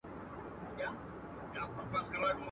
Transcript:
دا نظم وساته موسم به د غوټیو راځي.